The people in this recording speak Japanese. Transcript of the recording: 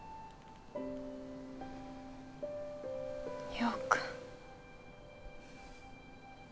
陽君。